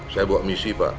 saya buat misi pak